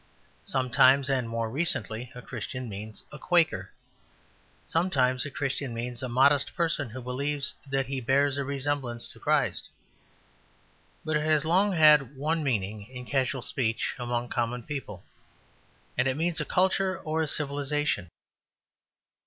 Sometimes, and more recently, a Christian means a Quaker. Sometimes a Christian means a modest person who believes that he bears a resemblance to Christ. But it has long had one meaning in casual speech among common people, and it means a culture or a civilization.